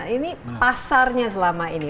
ini pasarnya selama ini